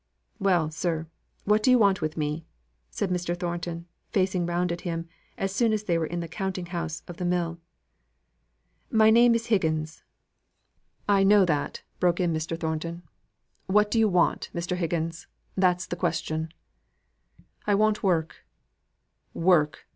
"Well, sir! what do you want with me?" said Mr. Thornton, facing round at him, as soon as they were in the counting house of the mill. "My name is Higgins" "I know that," broke in Mr. Thornton. "What do you want, Mr. Higgins? That's the question." "I want work." "Work!